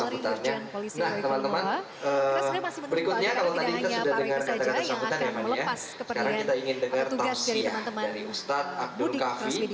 terus saya masih menunggu alihkanan tidak hanya pak wiko saja yang akan melepas keperluan petugas dari teman teman ustadz abdul khafi